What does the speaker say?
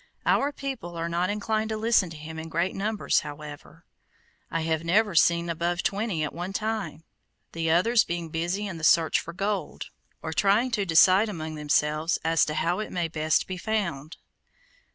Our people are not inclined to listen to him in great numbers, however. I have never seen above twenty at one time, the others being busy in the search for gold, or trying to decide among themselves as to how it may best be found.